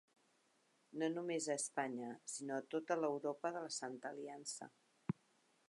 No només a Espanya, sinó a tota l'Europa de la Santa Aliança.